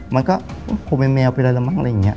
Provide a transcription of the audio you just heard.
มันก็คงเป็นแมวเป็นอะไรแล้วมั้งอะไรอย่างนี้